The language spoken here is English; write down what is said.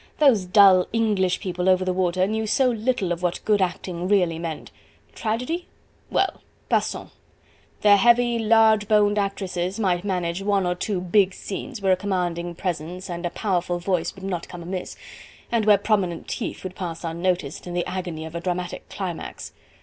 Those dull English people over the water knew so little of what good acting really meant. Tragedy? Well! passons! Their heavy, large boned actresses might manage one or two big scenes where a commanding presence and a powerful voice would not come amiss, and where prominent teeth would pass unnoticed in the agony of a dramatic climax.